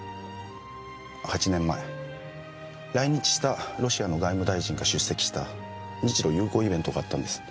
８年前来日したロシアの外務大臣が出席した日露友好イベントがあったんです。